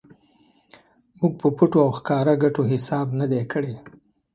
موږ په پټو او ښکاره ګټو حساب نه دی کړی.